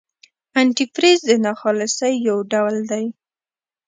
انتي فریز د ناخالصۍ یو ډول دی.